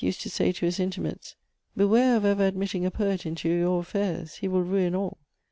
used to say to his intimates: "Beware of ever admitting a poet into your affairs: he will ruin all.